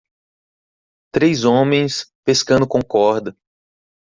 Três homens pescando com corda.